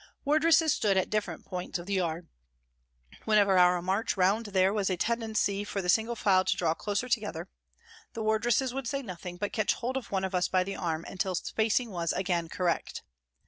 Wardresses stood at different points of the yard. Whenever in our march round there was a tendency for the single file to draw closer together, the wardresses would say nothing, but catch hold of one of us by the arm until the spacing was again correct.